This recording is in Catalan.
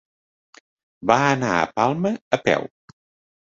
Va anar a Palma a peu.